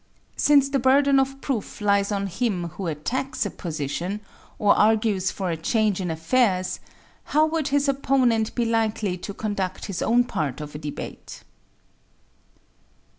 Since the burden of proof lies on him who attacks a position, or argues for a change in affairs, how would his opponent be likely to conduct his own part of a debate?